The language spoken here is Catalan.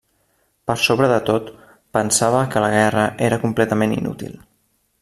Per sobre de tot, pensava que la guerra era completament inútil.